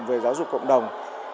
về giáo dục cộng đồng